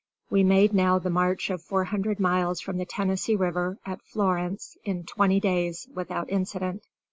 We made now the march of four hundred miles from the Tennessee River, at Florence, in twenty days, without incident.